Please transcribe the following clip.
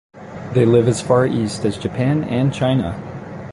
They live as far east as Japan and China.